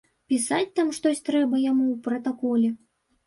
Пісаць там штось трэба яму ў пратаколе.